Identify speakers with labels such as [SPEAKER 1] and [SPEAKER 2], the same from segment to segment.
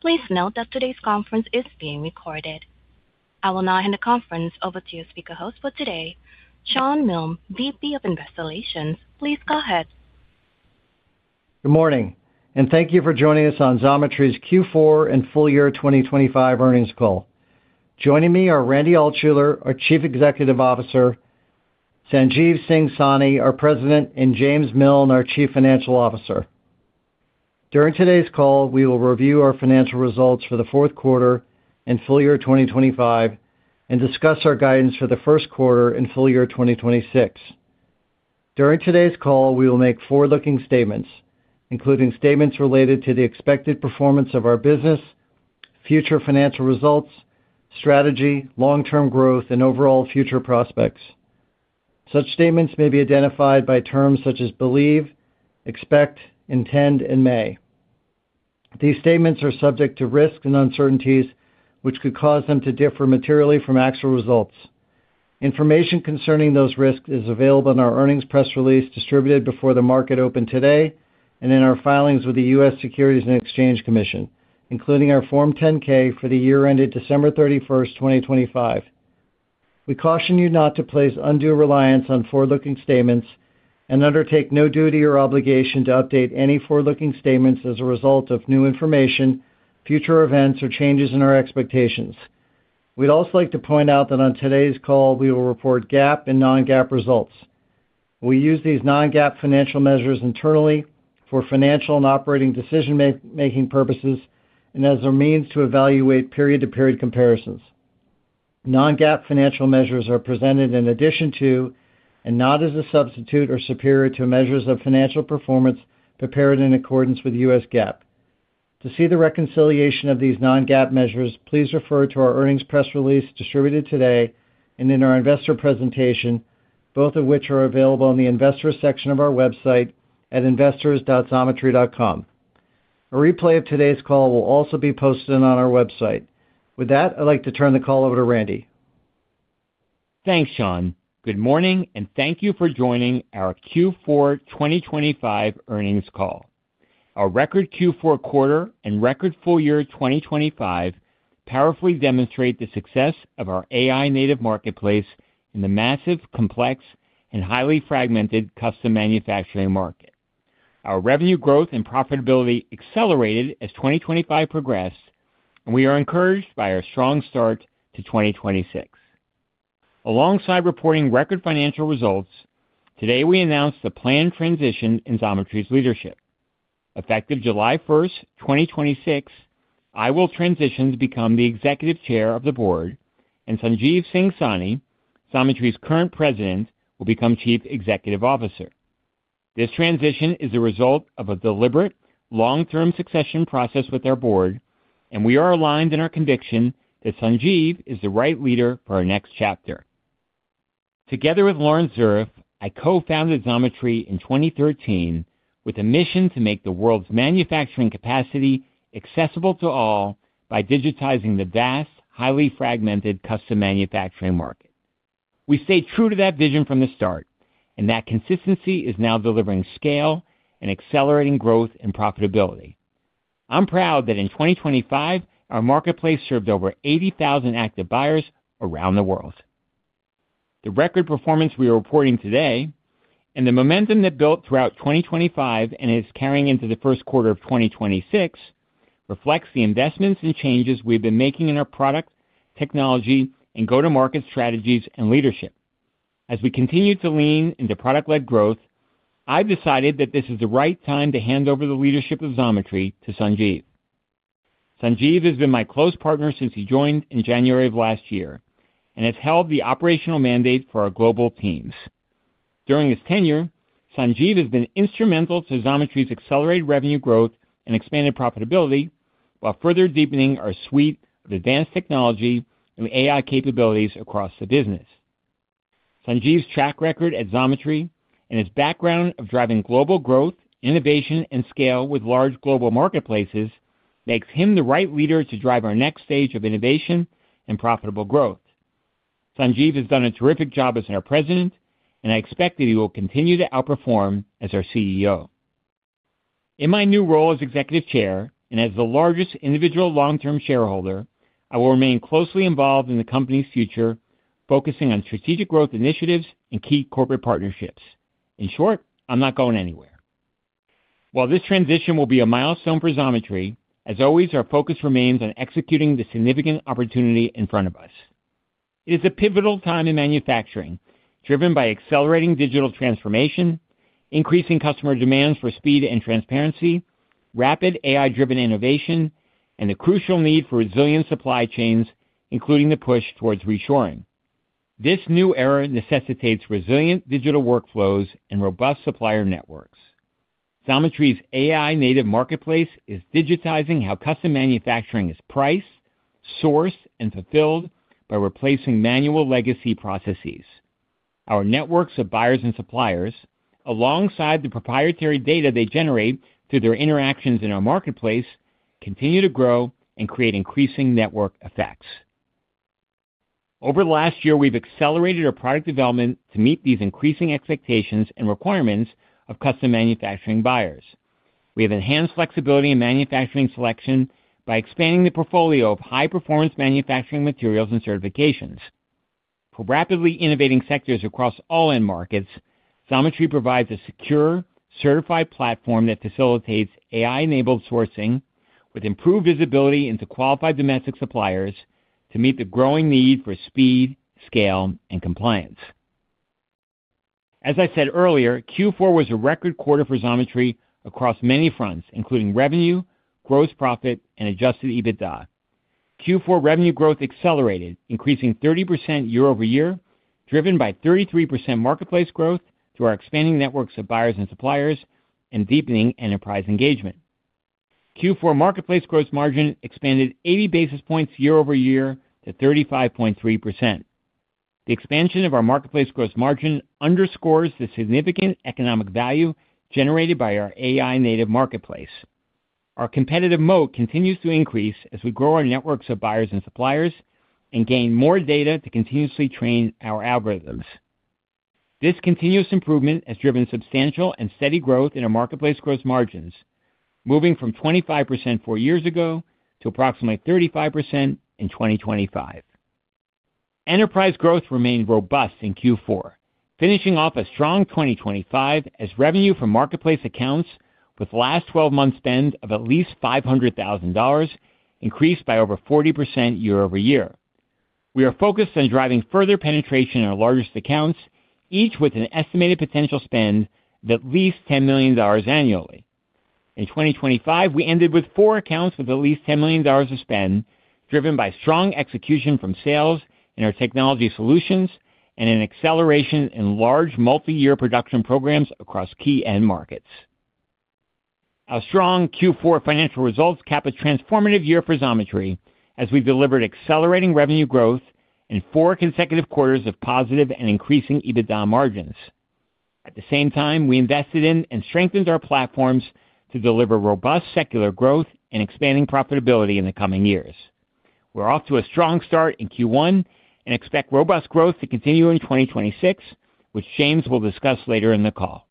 [SPEAKER 1] Please note that today's conference is being recorded. I will now hand the conference over to your speaker host for today, Shawn Milne, VP of Investor Relations. Please go ahead.
[SPEAKER 2] Good morning, thank you for joining us on Xometry's Q4 and Full Year 2025 Earnings Call. Joining me are Randy Altschuler, our Chief Executive Officer, Sanjeev Singh Sahni, our President, and James Miln, our Chief Financial Officer. During today's call, we will review our financial results for the fourth quarter and full year 2025 and discuss our guidance for the first quarter and full year 2026. During today's call, we will make forward-looking statements, including statements related to the expected performance of our business, future financial results, strategy, long-term growth, and overall future prospects. Such statements may be identified by terms such as believe, expect, intend, and may. These statements are subject to risks and uncertainties, which could cause them to differ materially from actual results. Information concerning those risks is available in our earnings press release, distributed before the market opened today, and in our filings with the U.S. Securities and Exchange Commission, including our Form 10-K for the year ended December 31st, 2025. We caution you not to place undue reliance on forward-looking statements and undertake no duty or obligation to update any forward-looking statements as a result of new information, future events, or changes in our expectations. We'd also like to point out that on today's call, we will report GAAP and non-GAAP results. We use these non-GAAP financial measures internally for financial and operating decision-making purposes and as a means to evaluate period-to-period comparisons. Non-GAAP financial measures are presented in addition to, and not as a substitute or superior to, measures of financial performance prepared in accordance with U.S. GAAP. To see the reconciliation of these non-GAAP measures, please refer to our earnings press release distributed today and in our investor presentation, both of which are available on the investor section of our website at investors.xometry.com. A replay of today's call will also be posted on our website. With that, I'd like to turn the call over to Randy.
[SPEAKER 3] Thanks, Shawn. Good morning, and thank you for joining our Q4 2025 Earnings Call. Our record Q4 quarter and record full year 2025 powerfully demonstrate the success of our AI-native marketplace in the massive, complex, and highly fragmented custom manufacturing market. Our revenue growth and profitability accelerated as 2025 progressed, and we are encouraged by our strong start to 2026. Alongside reporting record financial results, today, we announced the planned transition in Xometry's leadership. Effective July 1st, 2026, I will transition to become the executive chair of the board, and Sanjeev Singh Sahni, Xometry's current President, will become Chief Executive Officer. This transition is a result of a deliberate, long-term succession process with our board, and we are aligned in our conviction that Sanjeev is the right leader for our next chapter. Together with Laurence Zuriff, I co-founded Xometry in 2013 with a mission to make the world's manufacturing capacity accessible to all by digitizing the vast, highly fragmented custom manufacturing market. We stayed true to that vision from the start, and that consistency is now delivering scale and accelerating growth and profitability. I'm proud that in 2025, our marketplace served over 80,000 active buyers around the world. The record performance we are reporting today and the momentum that built throughout 2025, and is carrying into the first quarter of 2026, reflects the investments and changes we've been making in our product, technology, and go-to-market strategies and leadership. As we continue to lean into product-led growth, I've decided that this is the right time to hand over the leadership of Xometry to Sanjeev. Sanjeev has been my close partner since he joined in January of last year and has held the operational mandate for our global teams. During his tenure, Sanjeev has been instrumental to Xometry's accelerated revenue growth and expanded profitability, while further deepening our suite of advanced technology and AI capabilities across the business. Sanjeev's track record at Xometry and his background of driving global growth, innovation, and scale with large global marketplaces makes him the right leader to drive our next stage of innovation and profitable growth. Sanjeev has done a terrific job as our president, and I expect that he will continue to outperform as our CEO. In my new role as executive chair and as the largest individual long-term shareholder, I will remain closely involved in the company's future, focusing on strategic growth initiatives and key corporate partnerships. In short, I'm not going anywhere. While this transition will be a milestone for Xometry, as always, our focus remains on executing the significant opportunity in front of us. It is a pivotal time in manufacturing, driven by accelerating digital transformation, increasing customer demands for speed and transparency, rapid AI-driven innovation, and the crucial need for resilient supply chains, including the push towards reshoring. This new era necessitates resilient digital workflows and robust supplier networks. Xometry's AI-native marketplace is digitizing how custom manufacturing is priced, sourced, and fulfilled by replacing manual legacy processes. Our networks of buyers and suppliers, alongside the proprietary data they generate through their interactions in our marketplace, continue to grow and create increasing network effects. Over the last year, we've accelerated our product development to meet these increasing expectations and requirements of custom manufacturing buyers. We have enhanced flexibility in manufacturing selection by expanding the portfolio of high-performance manufacturing materials and certifications. For rapidly innovating sectors across all end markets, Xometry provides a secure, certified platform that facilitates AI-enabled sourcing with improved visibility into qualified domestic suppliers to meet the growing need for speed, scale, and compliance. As I said earlier, Q4 was a record quarter for Xometry across many fronts, including revenue, gross profit, and adjusted EBITDA. Q4 revenue growth accelerated, increasing 30% year-over-year, driven by 33% marketplace growth through our expanding networks of buyers and suppliers and deepening enterprise engagement. Q4 marketplace gross margin expanded 80 basis points year-over-year to 35.3%. The expansion of our marketplace gross margin underscores the significant economic value generated by our AI-native marketplace. Our competitive moat continues to increase as we grow our networks of buyers and suppliers and gain more data to continuously train our algorithms. This continuous improvement has driven substantial and steady growth in our marketplace gross margins, moving from 25% four years ago to approximately 35% in 2025. Enterprise growth remained robust in Q4, finishing off a strong 2025 as revenue from marketplace accounts with last twelve-month spend of at least $500,000 increased by over 40% year-over-year. We are focused on driving further penetration in our largest accounts, each with an estimated potential spend of at least $10 million annually. In 2025, we ended with four accounts of at least $10 million of spend, driven by strong execution from sales in our technology solutions and an acceleration in large multi-year production programs across key end markets. Our strong Q4 financial results cap a transformative year for Xometry, as we delivered accelerating revenue growth in four consecutive quarters of positive and increasing EBITDA margins. At the same time, we invested in and strengthened our platforms to deliver robust secular growth and expanding profitability in the coming years. We're off to a strong start in Q1 and expect robust growth to continue in 2026, which James will discuss later in the call.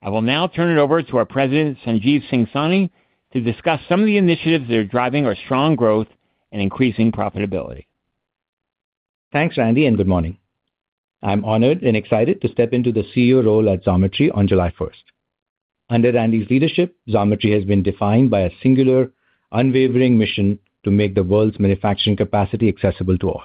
[SPEAKER 3] I will now turn it over to our President, Sanjeev Singh Sahni, to discuss some of the initiatives that are driving our strong growth and increasing profitability.
[SPEAKER 4] Thanks, Randy. Good morning. I'm honored and excited to step into the CEO role at Xometry on July 1st. Under Randy's leadership, Xometry has been defined by a singular, unwavering mission to make the world's manufacturing capacity accessible to all.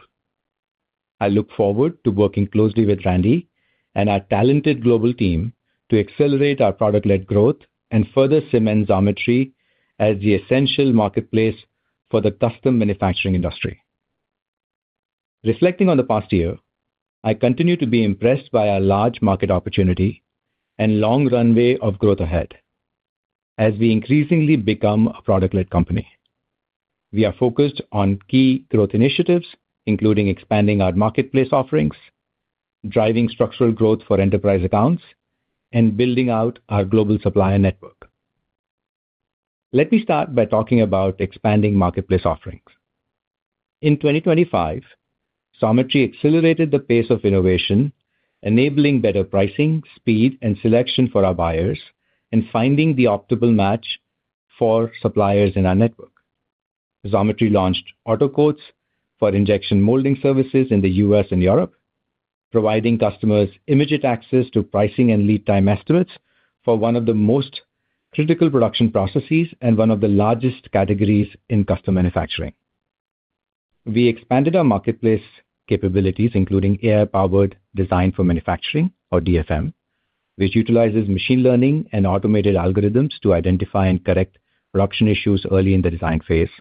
[SPEAKER 4] I look forward to working closely with Randy and our talented global team to accelerate our product-led growth and further cement Xometry as the essential marketplace for the custom manufacturing industry. Reflecting on the past year, I continue to be impressed by our large market opportunity and long runway of growth ahead as we increasingly become a product-led company. We are focused on key growth initiatives, including expanding our marketplace offerings, driving structural growth for enterprise accounts, and building out our global supplier network. Let me start by talking about expanding marketplace offerings. In 2025, Xometry accelerated the pace of innovation, enabling better pricing, speed, and selection for our buyers. Finding the optimal match for suppliers in our network, Xometry launched auto quotes for injection molding services in the U.S. and Europe, providing customers immediate access to pricing and lead time estimates for one of the most critical production processes and one of the largest categories in custom manufacturing. We expanded our marketplace capabilities, including AI-powered design for manufacturing, or DFM, which utilizes machine learning and automated algorithms to identify and correct production issues early in the design phase.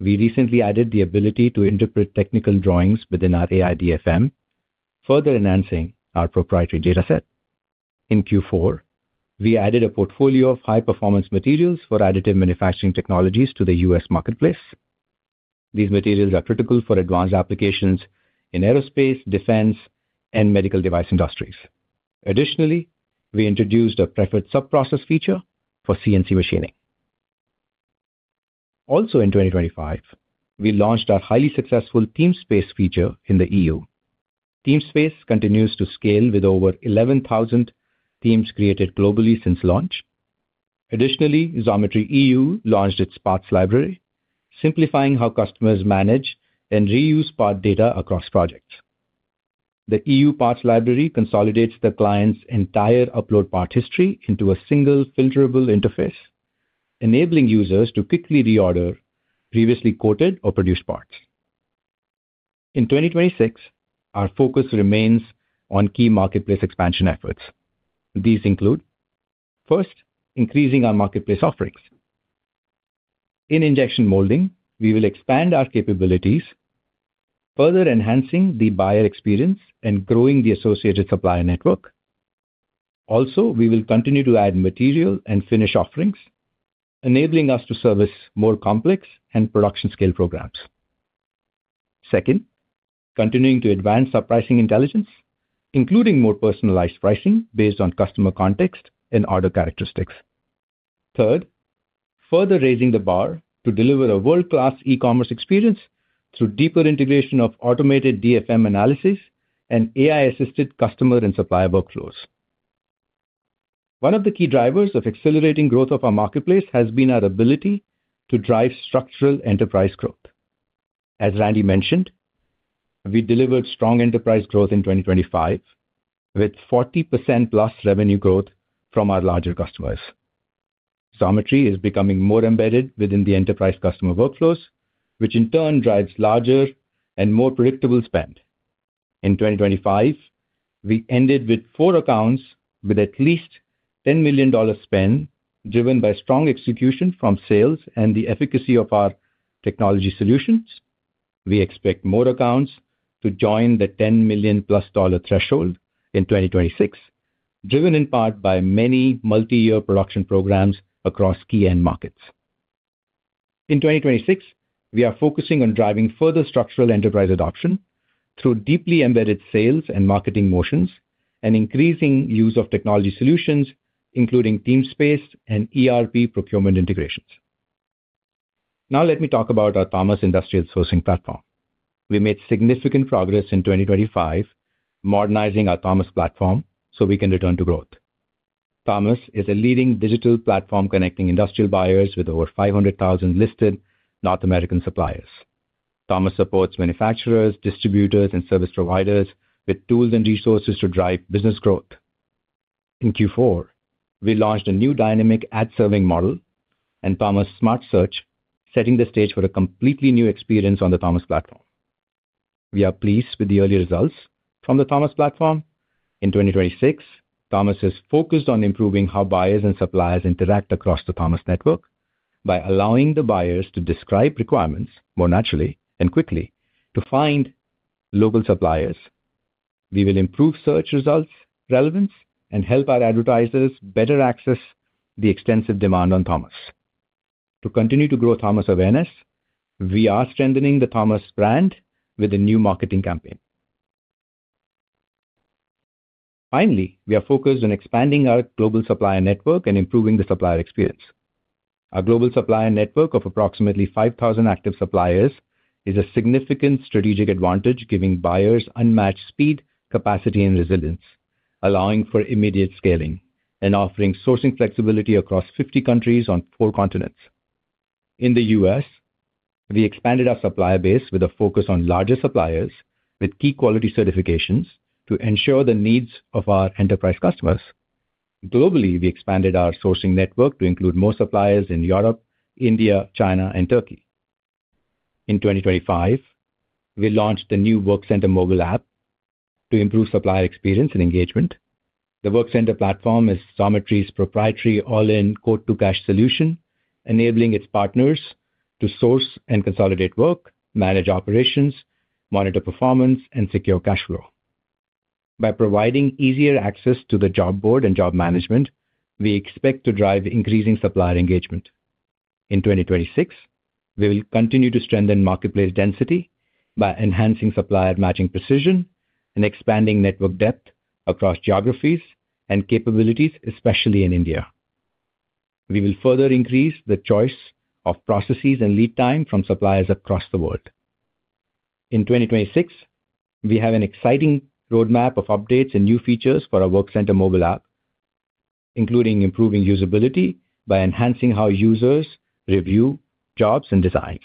[SPEAKER 4] We recently added the ability to interpret technical drawings within our AI DFM, further enhancing our proprietary dataset. In Q4, we added a portfolio of high-performance materials for additive manufacturing technologies to the U.S. marketplace. These materials are critical for advanced applications in aerospace, defense, and medical device industries. We introduced a preferred subprocess feature for CNC machining. In 2025, we launched our highly successful Teamspace feature in the E.U. Teamspace continues to scale with over 11,000 teams created globally since launch. Xometry EU launched its Parts Library, simplifying how customers manage and reuse part data across projects. The E.U. Parts Library consolidates the client's entire upload part history into a single filterable interface, enabling users to quickly reorder previously quoted or produced parts. In 2026, our focus remains on key marketplace expansion efforts. These include, first, increasing our marketplace offerings. In injection molding, we will expand our capabilities, further enhancing the buyer experience and growing the associated supplier network. We will continue to add material and finish offerings, enabling us to service more complex and production scale programs. Continuing to advance our pricing intelligence, including more personalized pricing based on customer context and order characteristics. Further raising the bar to deliver a world-class e-commerce experience through deeper integration of automated DFM analysis and AI-assisted customer and supplier workflows. One of the key drivers of accelerating growth of our marketplace has been our ability to drive structural enterprise growth. As Randy mentioned, we delivered strong enterprise growth in 2025, with 40%+ revenue growth from our larger customers. Xometry is becoming more embedded within the enterprise customer workflows, which in turn drives larger and more predictable spend. In 2025, we ended with four accounts with at least $10 million spend, driven by strong execution from sales and the efficacy of our technology solutions. We expect more accounts to join the $10 million+ threshold in 2026, driven in part by many multi-year production programs across key end markets. In 2026, we are focusing on driving further structural enterprise adoption through deeply embedded sales and marketing motions, and increasing use of technology solutions, including Teamspace and ERP procurement integrations. Let me talk about our Thomas Industrial Sourcing platform. We made significant progress in 2025, modernizing our Thomas platform so we can return to growth. Thomas is a leading digital platform connecting industrial buyers with over 500,000 listed North American suppliers. Thomas supports manufacturers, distributors, and service providers with tools and resources to drive business growth. In Q4, we launched a new dynamic ad-serving model and Thomas Smart Search, setting the stage for a completely new experience on the Thomas platform. We are pleased with the early results from the Thomas platform. In 2026, Thomas is focused on improving how buyers and suppliers interact across the Thomas network, by allowing the buyers to describe requirements more naturally and quickly to find local suppliers. We will improve search results, relevance, and help our advertisers better access the extensive demand on Thomas. To continue to grow Thomas awareness, we are strengthening the Thomas brand with a new marketing campaign. We are focused on expanding our global supplier network and improving the supplier experience. Our global supplier network of approximately 5,000 active suppliers is a significant strategic advantage, giving buyers unmatched speed, capacity, and resilience, allowing for immediate scaling and offering sourcing flexibility across 50 countries on four continents. In the U.S., we expanded our supplier base with a focus on larger suppliers with key quality certifications to ensure the needs of our enterprise customers. Globally, we expanded our sourcing network to include more suppliers in Europe, India, China, and Turkey. In 2025, we launched the new Workcenter mobile app to improve supplier experience and engagement. The Workcenter platform is Xometry's proprietary all-in quote-to-cash solution, enabling its partners to source and consolidate work, manage operations, monitor performance, and secure cash flow. By providing easier access to the job board and job management, we expect to drive increasing supplier engagement. In 2026, we will continue to strengthen marketplace density by enhancing supplier matching precision and expanding network depth across geographies and capabilities, especially in India. We will further increase the choice of processes and lead time from suppliers across the world. In 2026, we have an exciting roadmap of updates and new features for our Workcenter mobile app, including improving usability by enhancing how users review jobs and designs.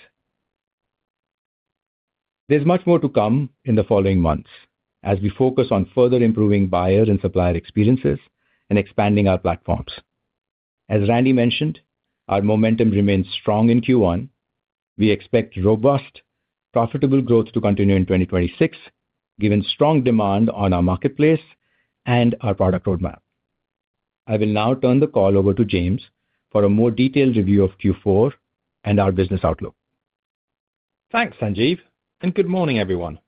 [SPEAKER 4] There's much more to come in the following months as we focus on further improving buyer and supplier experiences and expanding our platforms. As Randy mentioned, our momentum remains strong in Q1. We expect robust, profitable growth to continue in 2026, given strong demand on our marketplace and our product roadmap. I will now turn the call over to James for a more detailed review of Q4 and our business outlook.
[SPEAKER 5] Thanks, Sanjeev. Good morning, everyone.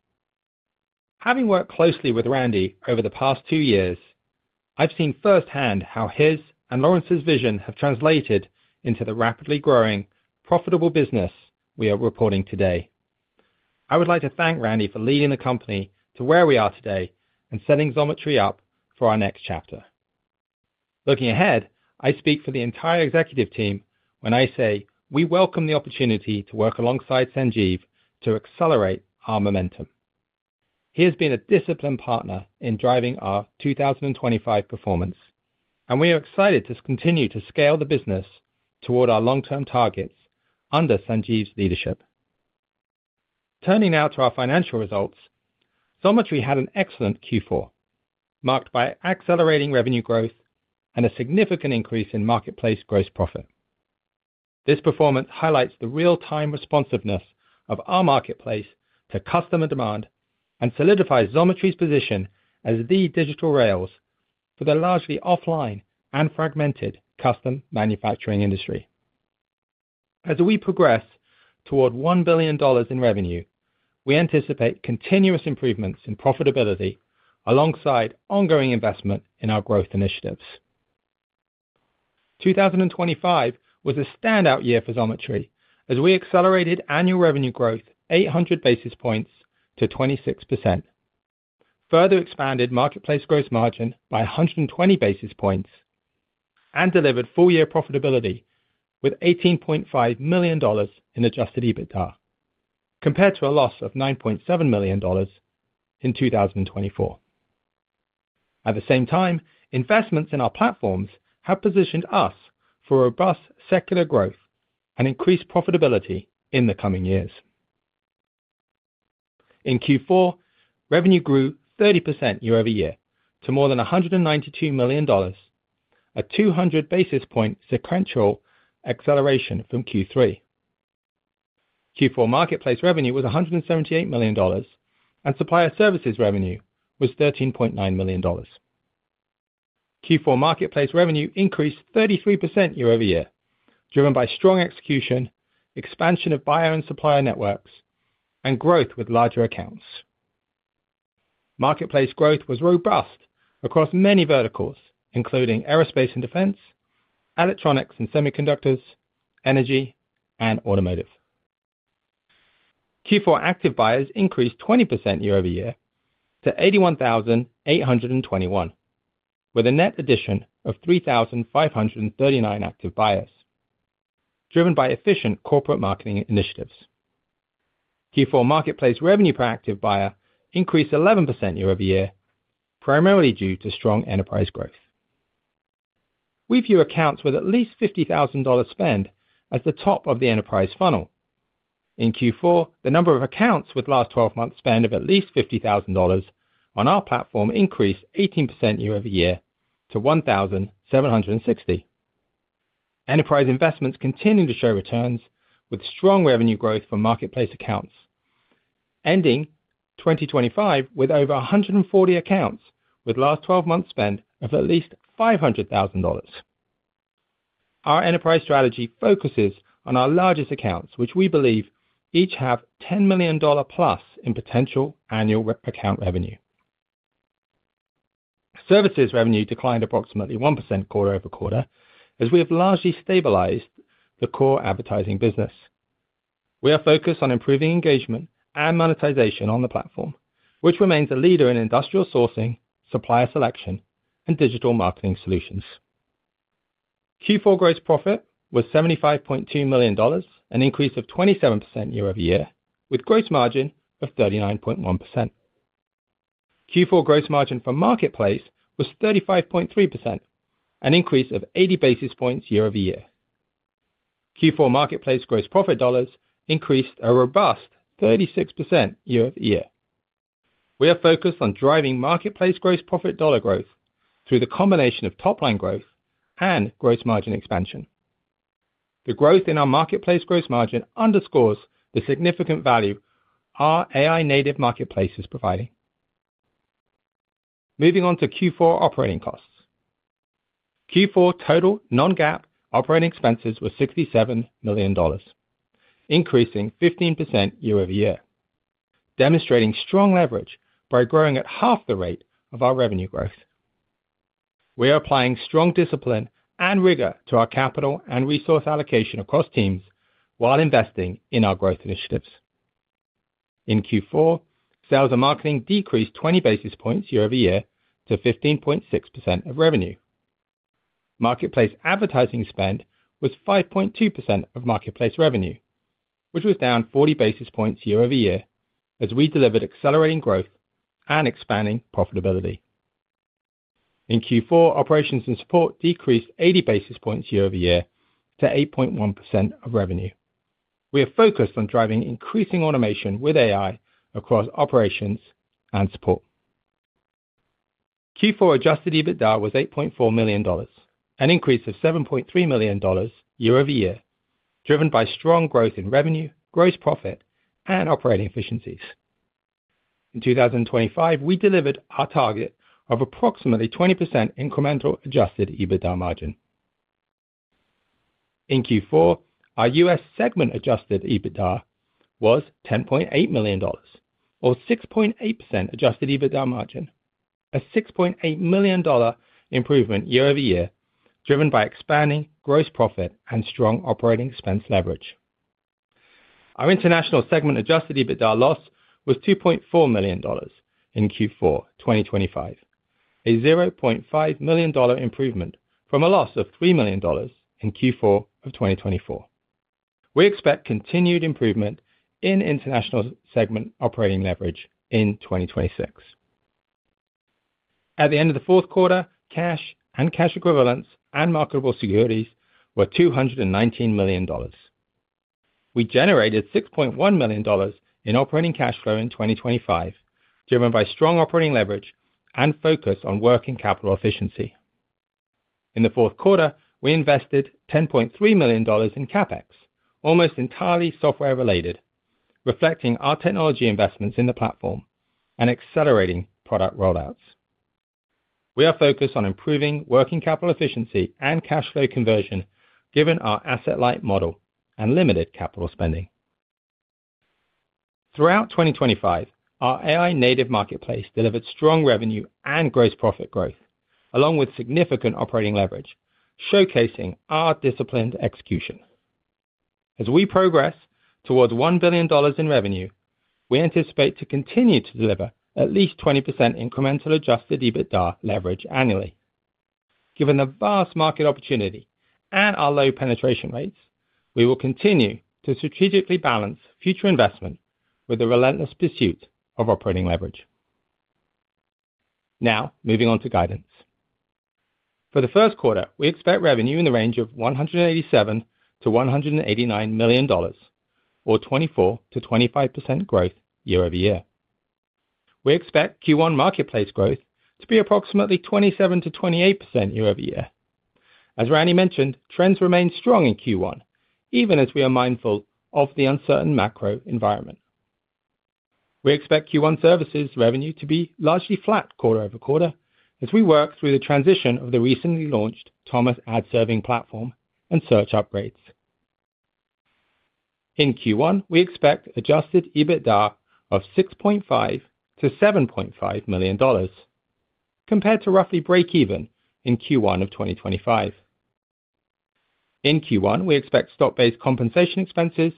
[SPEAKER 5] Having worked closely with Randy over the past two years, I've seen firsthand how his and Laurence's vision have translated into the rapidly growing, profitable business we are reporting today. I would like to thank Randy for leading the company to where we are today and setting Xometry up for our next chapter. Looking ahead, I speak for the entire executive team when I say we welcome the opportunity to work alongside Sanjeev to accelerate our momentum. He has been a disciplined partner in driving our 2025 performance, and we are excited to continue to scale the business toward our long-term targets under Sanjeev's leadership. Turning now to our financial results, Xometry had an excellent Q4, marked by accelerating revenue growth and a significant increase in marketplace gross profit. This performance highlights the real-time responsiveness of our marketplace to customer demand and solidifies Xometry's position as the digital rails for the largely offline and fragmented custom manufacturing industry. As we progress toward $1 billion in revenue, we anticipate continuous improvements in profitability alongside ongoing investment in our growth initiatives. 2025 was a standout year for Xometry, as we accelerated annual revenue growth 800 basis points to 26%, further expanded marketplace gross margin by 120 basis points, and delivered full year profitability with $18.5 million in adjusted EBITDA, compared to a loss of $9.7 million in 2024. At the same time, investments in our platforms have positioned us for robust secular growth and increased profitability in the coming years. In Q4, revenue grew 30% year-over-year to more than $192 million, a 200 basis point sequential acceleration from Q3. Q4 marketplace revenue was $178 million, and supplier services revenue was $13.9 million. Q4 marketplace revenue increased 33% year-over-year, driven by strong execution, expansion of buyer and supplier networks, and growth with larger accounts. Marketplace growth was robust across many verticals, including aerospace and defense, electronics and semiconductors, energy, and automotive. Q4 active buyers increased 20% year-over-year to 81,821, with a net addition of 3,539 active buyers, driven by efficient corporate marketing initiatives. Q4 marketplace revenue per active buyer increased 11% year-over-year, primarily due to strong enterprise growth. We view accounts with at least $50,000 spend as the top of the enterprise funnel. In Q4, the number of accounts with last twelve months spend of at least $50,000 on our platform increased 18% year-over-year to 1,760. Enterprise investments continuing to show returns with strong revenue growth for marketplace accounts, ending 2025 with over 140 accounts, with last 12 months spend of at least $500,000. Our enterprise strategy focuses on our largest accounts, which we believe each have $10 million+ in potential annual account revenue. Services revenue declined approximately 1% quarter-over-quarter, as we have largely stabilized the core advertising business. We are focused on improving engagement and monetization on the platform, which remains a leader in industrial sourcing, supplier selection, and digital marketing solutions. Q4 gross profit was $75.2 million, an increase of 27% year-over-year, with gross margin of 39.1%. Q4 gross margin for Marketplace was 35.3%, an increase of 80 basis points year-over-year. Q4 Marketplace gross profit dollars increased a robust 36% year-over-year. We are focused on driving Marketplace gross profit dollar growth through the combination of top line growth and gross margin expansion. The growth in our marketplace gross margin underscores the significant value our AI-native marketplace is providing. Moving on to Q4 operating costs. Q4 total non-GAAP operating expenses were $67 million, increasing 15% year-over-year, demonstrating strong leverage by growing at half the rate of our revenue growth. We are applying strong discipline and rigor to our capital and resource allocation across teams while investing in our growth initiatives. In Q4, sales and marketing decreased 20 basis points year-over-year to 15.6% of revenue. Marketplace advertising spend was 5.2% of marketplace revenue, which was down 40 basis points year-over-year, as we delivered accelerating growth and expanding profitability. In Q4, operations and support decreased 80 basis points year-over-year to 8.1% of revenue. We are focused on driving increasing automation with AI across operations and support. Q4 adjusted EBITDA was $8.4 million, an increase of $7.3 million year-over-year, driven by strong growth in revenue, gross profit, and operating efficiencies. In 2025, we delivered our target of approximately 20% incremental adjusted EBITDA margin. In Q4, our U.S. segment adjusted EBITDA was $10.8 million, or 6.8% adjusted EBITDA margin, a $6.8 million improvement year-over-year, driven by expanding gross profit and strong operating expense leverage. Our international segment adjusted EBITDA loss was $2.4 million in Q4 2025, a $0.5 million improvement from a loss of $3 million in Q4 2024. We expect continued improvement in international segment operating leverage in 2026. At the end of the fourth quarter, cash and cash equivalents and marketable securities were $219 million. We generated $6.1 million in operating cash flow in 2025, driven by strong operating leverage and focus on working capital efficiency. In the fourth quarter, we invested $10.3 million in CapEx, almost entirely software-related, reflecting our technology investments in the platform and accelerating product rollouts. We are focused on improving working capital efficiency and cash flow conversion, given our asset light model and limited capital spending. Throughout 2025, our AI-native marketplace delivered strong revenue and gross profit growth, along with significant operating leverage, showcasing our disciplined execution. As we progress towards $1 billion in revenue, we anticipate to continue to deliver at least 20% incremental adjusted EBITDA leverage annually. Given the vast market opportunity and our low penetration rates, we will continue to strategically balance future investment with the relentless pursuit of operating leverage. Moving on to guidance. For the first quarter, we expect revenue in the range of $187 million-$189 million, or 24%-25% growth year-over-year. We expect Q1 marketplace growth to be approximately 27%-28% year-over-year. As Randy mentioned, trends remain strong in Q1, even as we are mindful of the uncertain macro environment. We expect Q1 services revenue to be largely flat quarter-over-quarter as we work through the transition of the recently launched Thomas ad serving platform and search upgrades. In Q1, we expect adjusted EBITDA of $6.5 million-$7.5 million, compared to roughly breakeven in Q1 of 2025. In Q1, we expect stock-based compensation expenses,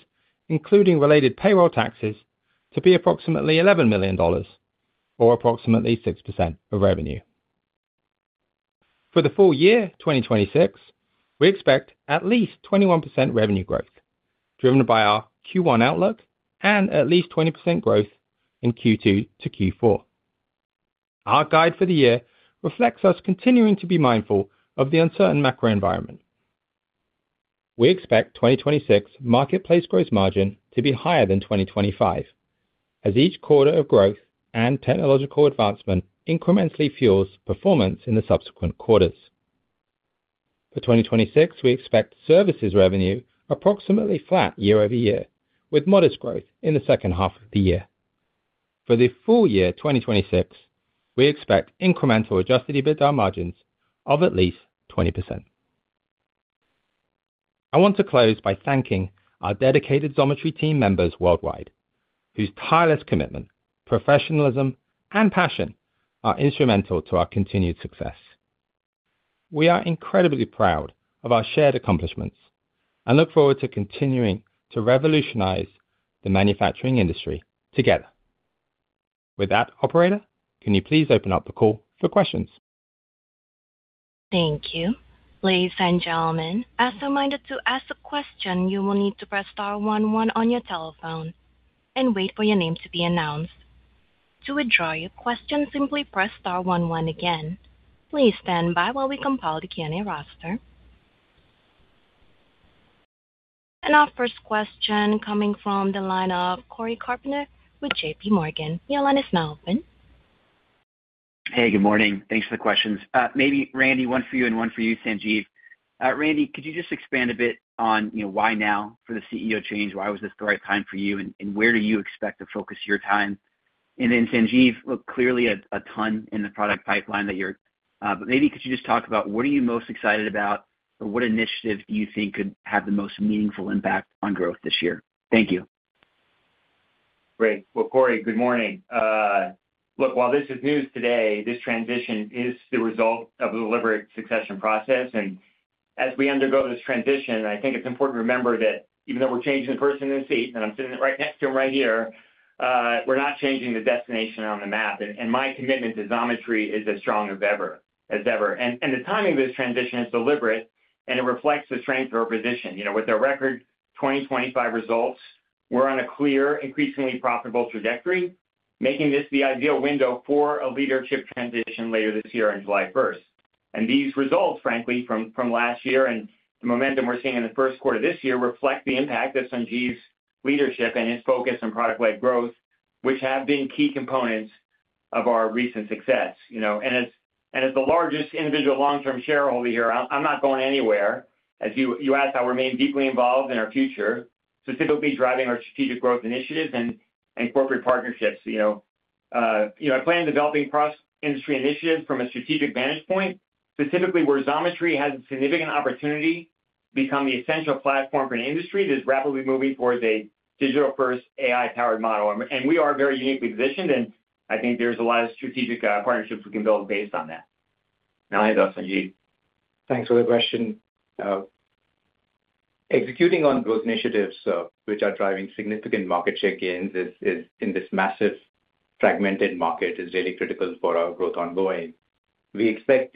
[SPEAKER 5] including related payroll taxes, to be approximately $11 million or approximately 6% of revenue. For the full year, 2026, we expect at least 21% revenue growth, driven by our Q1 outlook and at least 20% growth in Q2 to Q4. Our guide for the year reflects us continuing to be mindful of the uncertain macro environment. We expect 2026 marketplace gross margin to be higher than 2025, as each quarter of growth and technological advancement incrementally fuels performance in the subsequent quarters. For 2026, we expect services revenue approximately flat year-over-year, with modest growth in the second half of the year. For the full year, 2026, we expect incremental adjusted EBITDA margins of at least 20%. I want to close by thanking our dedicated Xometry team members worldwide, whose tireless commitment, professionalism, and passion are instrumental to our continued success. We are incredibly proud of our shared accomplishments and look forward to continuing to revolutionize the manufacturing industry together. With that, operator, can you please open up the call for questions?
[SPEAKER 1] Thank you. Ladies and gentlemen, as a reminder, to ask a question, you will need to press star one one on your telephone and wait for your name to be announced. To withdraw your question, simply press star one one again. Please stand by while we compile the Q&A roster. Our first question coming from the line of Cory Carpenter with JPMorgan. Your line is now open.
[SPEAKER 6] Hey, good morning. Thanks for the questions. Maybe Randy, one for you and one for you, Sanjeev. Randy, could you just expand a bit on, you know, why now for the CEO change? Why was this the right time for you, and where do you expect to focus your time? Then Sanjeev, look, clearly a ton in the product pipeline that you're. Maybe could you just talk about what are you most excited about or what initiative do you think could have the most meaningful impact on growth this year? Thank you.
[SPEAKER 3] Great. Well, Cory, good morning. Look, while this is news today, this transition is the result of a deliberate succession process. As we undergo this transition, I think it's important to remember that even though we're changing the person in the seat, and I'm sitting right next to him right here, we're not changing the destination on the map. My commitment to Xometry is as strong as ever. The timing of this transition is deliberate, and it reflects the strength of our position. You know, with the record 2025 results, we're on a clear, increasingly profitable trajectory, making this the ideal window for a leadership transition later this year on July first. These results, frankly, from last year and the momentum we're seeing in the first quarter this year, reflect the impact of Sanjeev's leadership and his focus on product-led growth, which have been key components of our recent success, you know. As the largest individual long-term shareholder here, I'm not going anywhere. As you asked, I'll remain deeply involved in our future, specifically driving our strategic growth initiatives and corporate partnerships, you know. You know, I plan on developing cross-industry initiatives from a strategic vantage point, specifically where Xometry has a significant opportunity to become the essential platform for an industry that is rapidly moving towards a digital-first, AI-powered model. We are very uniquely positioned, and I think there's a lot of strategic partnerships we can build based on that. Now to Sanjeev.
[SPEAKER 4] Thanks for the question. Executing on growth initiatives, which are driving significant market share gains, is in this massive, fragmented market, is really critical for our growth ongoing. We expect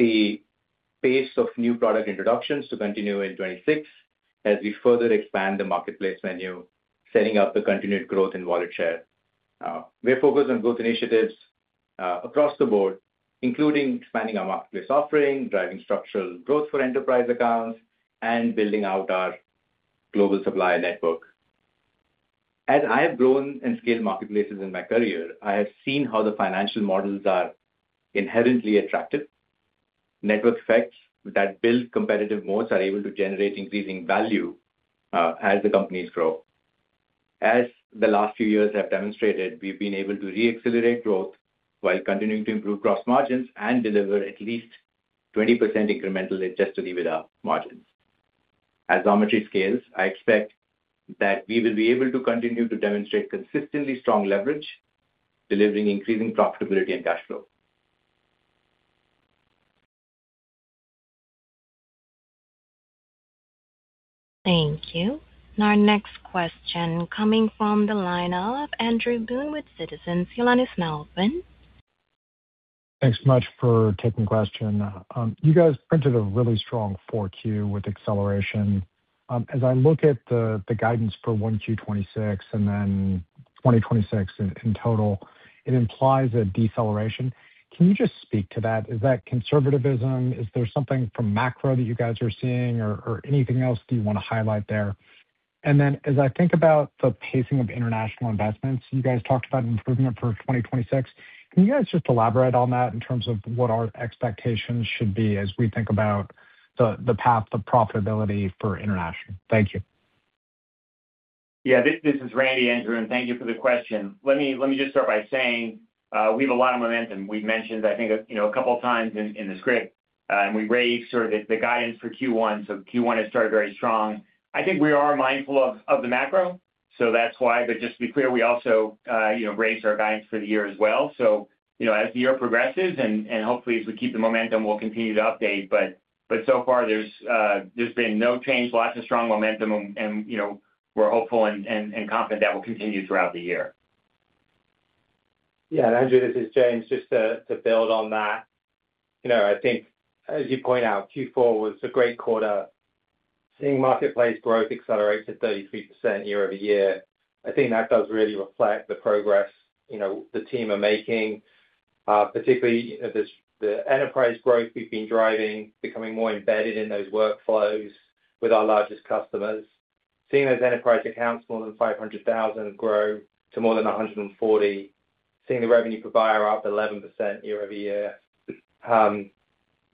[SPEAKER 4] the pace of new product introductions to continue in 2026 as we further expand the marketplace menu, setting up the continued growth in wallet share. We are focused on growth initiatives across the board, including expanding our marketplace offering, driving structural growth for enterprise accounts, and building out our global supplier network. As I have grown and scaled marketplaces in my career, I have seen how the financial models are inherently attractive. Network effects that build competitive moats are able to generate increasing value as the companies grow. As the last few years have demonstrated, we've been able to re-accelerate growth while continuing to improve gross margins and deliver at least 20% incremental adjusted EBITDA margins. As Xometry scales, I expect that we will be able to continue to demonstrate consistently strong leverage, delivering increasing profitability and cash flow.
[SPEAKER 1] Thank you. Our next question coming from the line of Andrew Boone with Citizens. Your line is now open.
[SPEAKER 7] Thanks so much for taking the question. You guys printed a really strong 4Q with acceleration. As I look at the guidance for 1Q 2026 and then 2026 in total, it implies a deceleration. Can you just speak to that? Is that conservativism? Is there something from macro that you guys are seeing or anything else do you want to highlight there? As I think about the pacing of international investments, you guys talked about improvement for 2026. Can you guys just elaborate on that in terms of what our expectations should be as we think about the path to profitability for international? Thank you.
[SPEAKER 3] Yeah, this is Randy, Andrew, and thank you for the question. Let me just start by saying, we have a lot of momentum. We've mentioned, I think, you know, a couple of times in the script, and we raised sort of the guidance for Q1. Q1 has started very strong. I think we are mindful of the macro, so that's why. Just to be clear, we also, you know, raised our guidance for the year as well. You know, as the year progresses and hopefully, as we keep the momentum, we'll continue to update. But so far, there's been no change, lots of strong momentum and, you know, we're hopeful and confident that will continue throughout the year.
[SPEAKER 5] Yeah, Andrew, this is James. Just to build on that, you know, I think as you point out, Q4 was a great quarter. Seeing marketplace growth accelerate to 33% year-over-year, I think that does really reflect the progress, you know, the team are making. Particularly, the enterprise growth we've been driving, becoming more embedded in those workflows with our largest customers. Seeing those enterprise accounts, more than 500,000, grow to more than 140, seeing the revenue per buyer up 11% year-over-year,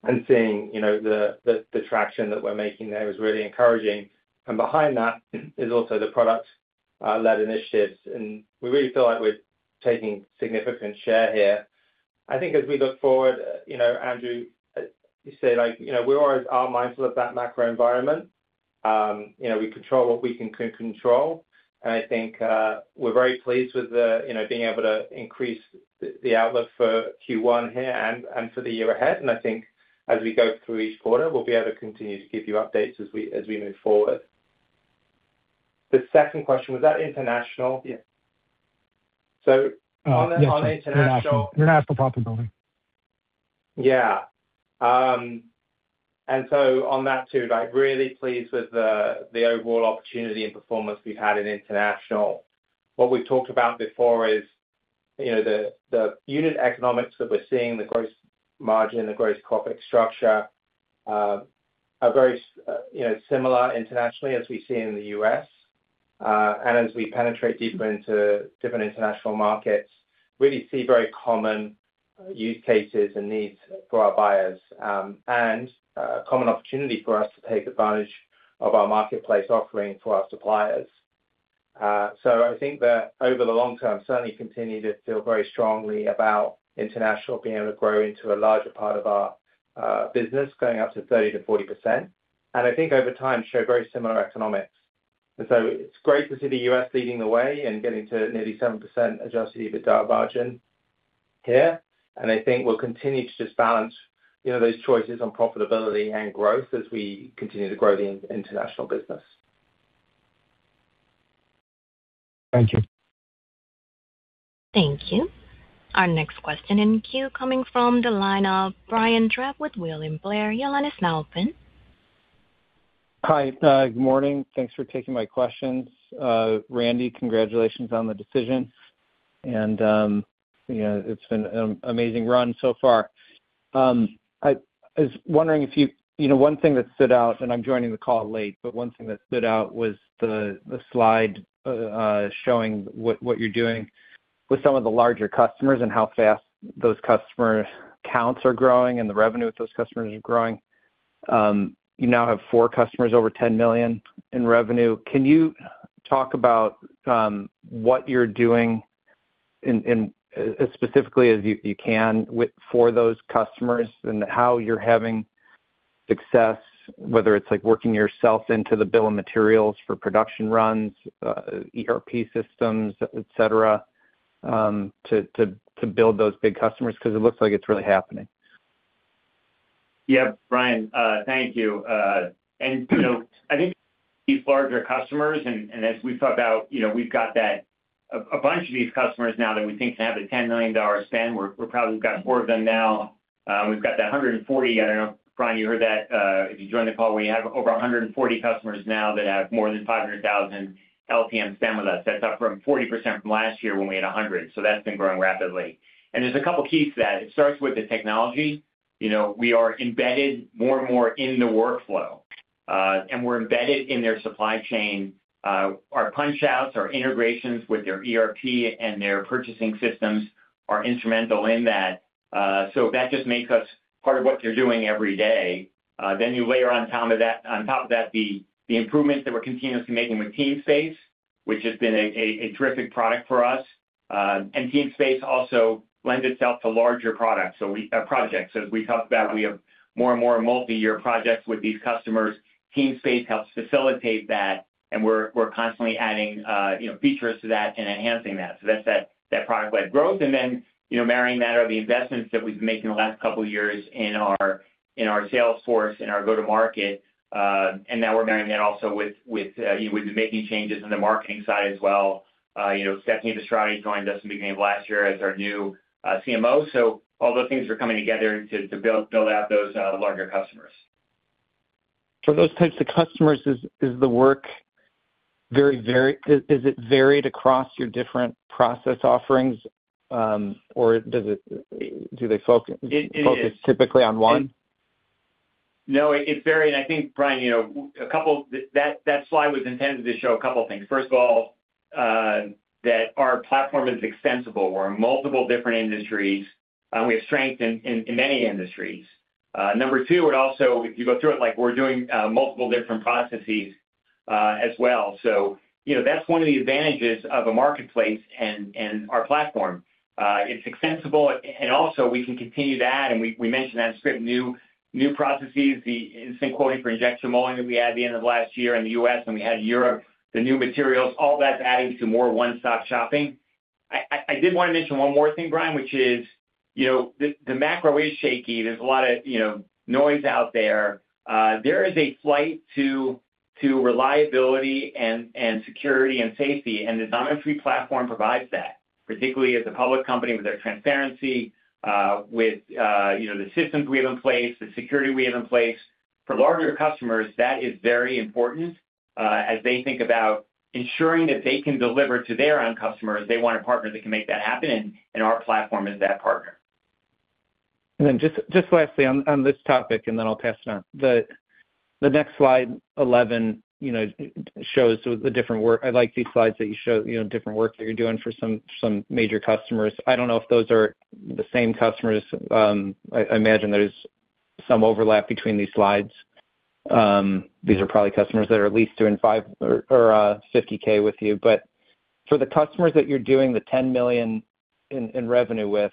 [SPEAKER 5] and seeing, you know, the traction that we're making there is really encouraging. Behind that is also the product-led initiatives, and we really feel like we're taking significant share here. I think as we look forward, you know, Andrew, you say, like, you know, we are mindful of that macro environment. You know, we control what we can control. I think, we're very pleased with you know, being able to increase the outlook for Q1 here and for the year ahead. I think as we go through each quarter, we'll be able to continue to give you updates as we move forward. The second question, was that international?
[SPEAKER 3] Yes.
[SPEAKER 5] So on the-
[SPEAKER 7] Yes.
[SPEAKER 5] On international-
[SPEAKER 7] International profitability.
[SPEAKER 5] On that, too, like, really pleased with the overall opportunity and performance we've had in international. What we've talked about before is, you know, the unit economics that we're seeing, the gross margin, the gross profit structure, are very, you know, similar internationally as we see in the U.S. As we penetrate deeper into different international markets, really see very common use cases and needs for our buyers, and common opportunity for us to take advantage of our marketplace offering for our suppliers. I think that over the long term, certainly continue to feel very strongly about international being able to grow into a larger part of our business, going up to 30%-40%. I think over time, show very similar economics. It's great to see the U.S. leading the way and getting to nearly 7% adjusted EBITDA margin here, and I think we'll continue to just balance, you know, those choices on profitability and growth as we continue to grow the international business.
[SPEAKER 7] Thank you.
[SPEAKER 1] Thank you. Our next question in queue coming from the line of Brian Drab with William Blair. Your line is now open.
[SPEAKER 8] Hi, good morning. Thanks for taking my questions. Randy, congratulations on the decision. You know, it's been an amazing run so far. I was wondering, you know, one thing that stood out, and I'm joining the call late, One thing that stood out was the slide showing what you're doing with some of the larger customers and how fast those customer counts are growing and the revenue with those customers are growing. You now have four customers over $10 million in revenue. Can you talk about, what you're doing in as specifically as you can with, for those customers and how you're having success, whether it's like working yourself into the bill of materials for production runs, ERP systems, et cetera, to build those big customers because it looks like it's really happening?
[SPEAKER 3] Yeah, Brian, thank you. you know, I think these larger customers, as we thought about, you know, we've got that bunch of these customers now that we think have a $10 million spend, we're probably got four of them now. we've got that 140. I don't know, Brian, you heard that, if you joined the call, we have over 140 customers now that have more than $500,000 LPM spend with us. That's up from 40% from last year when we had 100, that's been growing rapidly. There's a couple keys to that. It starts with the technology. You know, we are embedded more and more in the workflow, and we're embedded in their supply chain. Our PunchOut, our integrations with their ERP and their purchasing systems are instrumental in that. That just makes us part of what they're doing every day. You layer on top of that, the improvements that we're continuously making with Teamspace. Which has been a terrific product for us. Teamspace also lends itself to larger products, projects. As we talked about, we have more and more multi-year projects with these customers. Teamspace helps facilitate that, and we're constantly adding, you know, features to that and enhancing that. That's that product-led growth, and then, you know, marrying that are the investments that we've been making in our sales force, in our go-to-market, and now we're marrying that also with making changes in the marketing side as well. You know, Stephany Verstraete joined us in the beginning of last year as our new CMO. All those things are coming together to build out those larger customers.
[SPEAKER 8] For those types of customers, is the work very is it varied across your different process offerings, or do they focus?
[SPEAKER 3] It is.
[SPEAKER 8] Focus typically on one?
[SPEAKER 3] No, it's varied, and I think, Brian, you know, a couple that slide was intended to show a couple things. First of all, that our platform is extensible. We're in multiple different industries, and we have strength in many industries. Number two, it also, if you go through it, like, we're doing multiple different processes, as well. You know, that's one of the advantages of a marketplace and our platform. It's extensible, and also we can continue to add, and we mentioned that script, new processes, the instant quoting for injection molding that we had at the end of last year in the U.S., and we had Europe, the new materials, all that's adding to more one-stop shopping. I did wanna mention one more thing, Brian, which is, you know, the macro is shaky. There's a lot of, you know, noise out there. There is a flight to reliability and security and safety, and the Xometry platform provides that, particularly as a public company, with their transparency, with, you know, the systems we have in place, the security we have in place. For larger customers, that is very important, as they think about ensuring that they can deliver to their own customers. They want a partner that can make that happen, and our platform is that partner.
[SPEAKER 8] Just lastly on this topic, and then I'll pass it on. The next slide, 11, you know, shows the different work. I like these slides that you show, you know, different work that you're doing for some major customers. I don't know if those are the same customers. I imagine there's some overlap between these slides. These are probably customers that are at least doing 5k or 50k with you. For the customers that you're doing the $10 million in revenue with,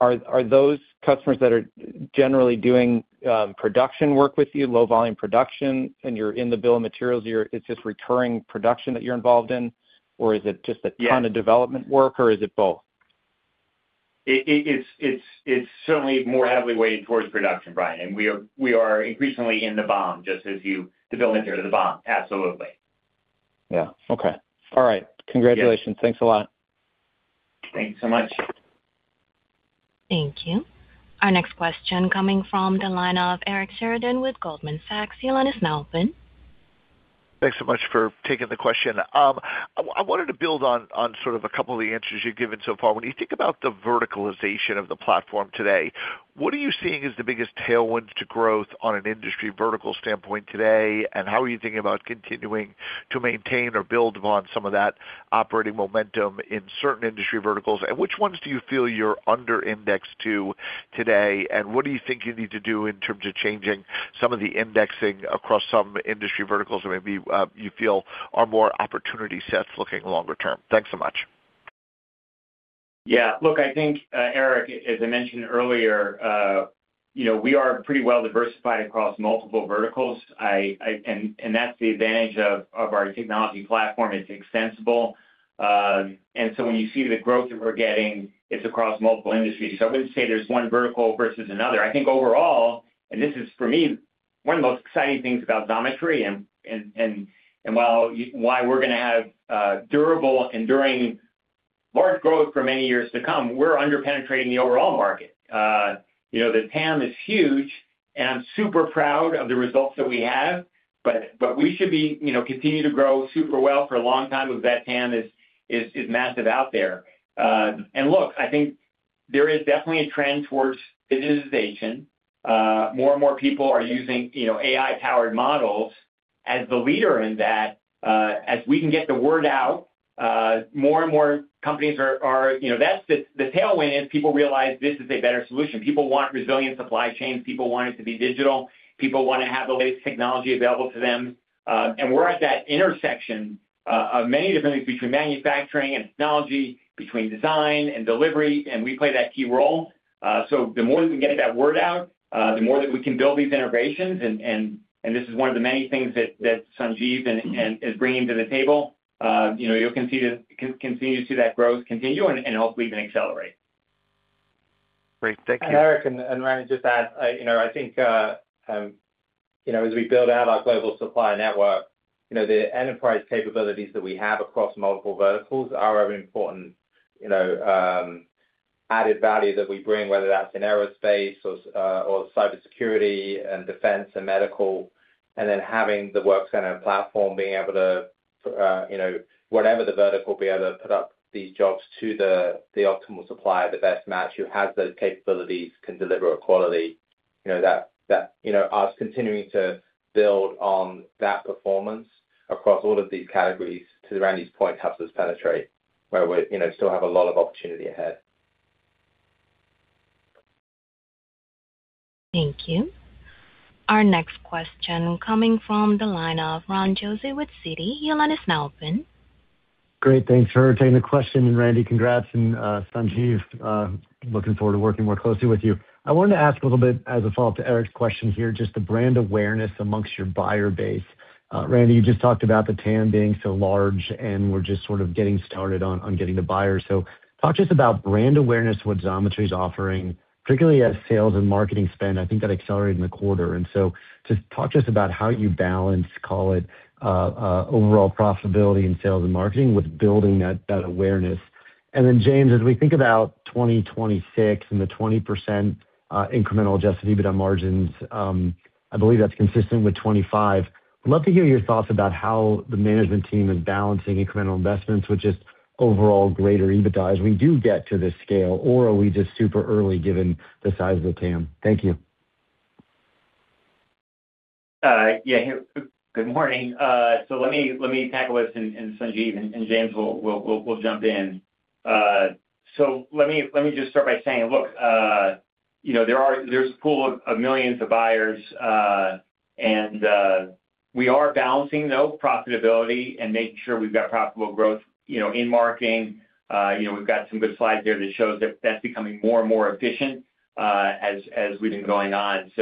[SPEAKER 8] are those customers that are generally doing production work with you, low volume production, and you're in the Bill of Materials, it's just recurring production that you're involved in? Or is it just a ton of development work, or is it both?
[SPEAKER 3] It's certainly more heavily weighted towards production, Brian, and we are increasingly in the BOM, just as you diligence it to the BOM. Absolutely.
[SPEAKER 8] Yeah. Okay. All right.
[SPEAKER 3] Yeah.
[SPEAKER 8] Congratulations. Thanks a lot.
[SPEAKER 3] Thank you so much.
[SPEAKER 1] Thank you. Our next question coming from the line of Eric Sheridan with Goldman Sachs. Your line is now open.
[SPEAKER 9] Thanks so much for taking the question. I wanted to build on sort of a couple of the answers you've given so far. When you think about the verticalization of the platform today, what are you seeing as the biggest tailwinds to growth on an industry vertical standpoint today? How are you thinking about continuing to maintain or build upon some of that operating momentum in certain industry verticals? Which ones do you feel you're under-indexed to today, and what do you think you need to do in terms of changing some of the indexing across some industry verticals that maybe you feel are more opportunity sets looking longer term? Thanks so much.
[SPEAKER 3] Yeah, look, I think, Eric, as I mentioned earlier, you know, we are pretty well diversified across multiple verticals. That's the advantage of our technology platform. It's extensible. When you see the growth that we're getting, it's across multiple industries. I wouldn't say there's one vertical versus another. I think overall, and this is, for me, one of the most exciting things about Xometry and while, why we're gonna have, durable enduring large growth for many years to come, we're under-penetrating the overall market. You know, the TAM is huge, and I'm super proud of the results that we have, but we should be, you know, continuing to grow super well for a long time because that TAM is massive out there. Look, I think there is definitely a trend towards digitization. More and more people are using, you know, AI-powered models. As the leader in that, as we can get the word out, more and more companies are, you know, that's the tailwind is people realize this is a better solution. People want resilient supply chains, people want it to be digital, people wanna have the latest technology available to them. We're at that intersection of many different things between manufacturing and technology, between design and delivery, and we play that key role. The more we can get that word out, the more that we can build these integrations, and this is one of the many things that Sanjeev and is bringing to the table, you know, you'll continue to see that growth continue and hopefully even accelerate.
[SPEAKER 9] Great, thank you.
[SPEAKER 5] Eric, and Randy, just add, you know, I think, you know, as we build out our global supply network, you know, the enterprise capabilities that we have across multiple verticals are of important, you know, added value that we bring, whether that's in aerospace or cybersecurity and defense and medical, and then having the Workcenter and platform being able to, you know, whatever the vertical, be able to put up these jobs to the optimal supplier, the best match, who has those capabilities, can deliver a quality. You know, that, you know, us continuing to build on that performance across all of these categories, to Randy's point, helps us penetrate where we, you know, still have a lot of opportunity ahead.
[SPEAKER 1] Thank you. Our next question coming from the line of Ronald Josey with Citi. Your line is now open.
[SPEAKER 10] Great. Thanks for taking the question. Randy, congrats, and Sanjeev, looking forward to working more closely with you. I wanted to ask a little bit as a follow-up to Eric's question here, just the brand awareness amongst your buyer base. Randy, you just talked about the TAM being so large, and we're just sort of getting started on getting the buyers. Talk to us about brand awareness, what Xometry is offering, particularly at sales and marketing spend. I think that accelerated in the quarter. Just talk to us about how you balance, call it, overall profitability in sales and marketing with building that awareness. Then, James, as we think about 2026 and the 20% incremental adjusted EBITDA margins, I believe that's consistent with 2025. I'd love to hear your thoughts about how the management team is balancing incremental investments, which is overall greater EBITDA, as we do get to this scale, or are we just super early given the size of the TAM? Thank you.
[SPEAKER 3] Good morning. Let me tackle this, and Sanjeev and James will jump in. Let me just start by saying, look, you know, there's a pool of millions of buyers, and we are balancing, though, profitability and making sure we've got profitable growth, you know, in marketing. You know, we've got some good slides there that shows that that's becoming more and more efficient, as we've been going on.